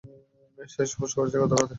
শেষ পোস্ট করেছে গতরাতে।